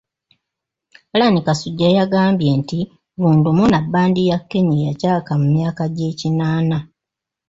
Allan Kasujja yagambye nti, "Vundumuna bbandi ya Kenya eyacaaka mu myaka gy'ekinaana"